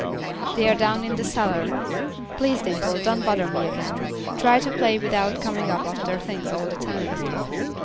"They are down in the cellar. Please, Dimple, don't bother me again. Try to play without coming up after things all the time."